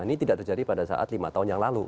ini tidak terjadi pada saat lima tahun yang lalu